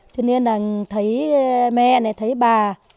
cho nên là thấy mẹ này thấy bà